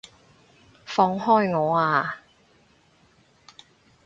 放開我啊！